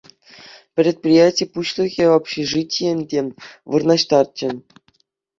Предприяти пуҫлӑхӗ общежитие те вырнаҫтарчӗ.